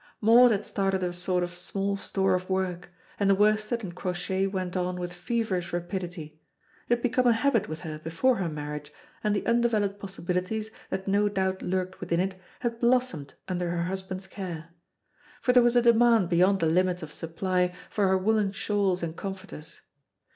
Maud had started a sort of small store of work, and the worsted and crochet went on with feverish rapidity. It had become a habit with her before her marriage, and the undeveloped possibilities, that no doubt lurked within it, had blossomed under her husband's care. For there was a demand beyond the limits of supply for her woollen shawls and comforters.